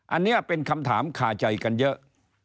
อันนี้เป็นคำถามคาใจกันเยอะ